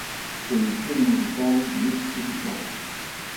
Edizioni musicali Dischi Ricordi.